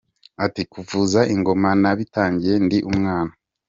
Ati “ Kuvuza ingoma nabitangiye ndi umwana.